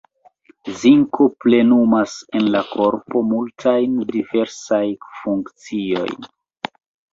Zinko plenumas en la korpo multajn diversaj funkciojn.